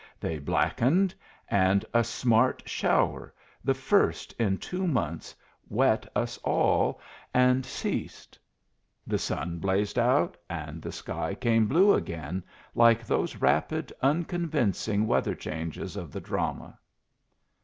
They blackened, and a smart shower, the first in two months, wet us all, and ceased. The sun blazed out, and the sky came blue again, like those rapid, unconvincing weather changes of the drama.